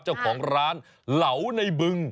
เจ้าของร้านเหลาในบึง